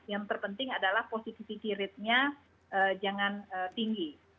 yang terpenting adalah positivity ratenya jangan tinggi